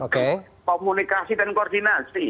komunikasi dan koordinasi